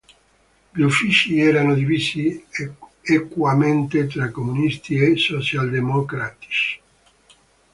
Gli uffici erano divisi equamente tra comunisti e socialdemocratici.